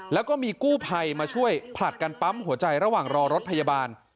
แล้วก็มีกู้ภัยมาช่วยผลัดกันปั๊มหัวใจระหว่างรอรถพยาบาล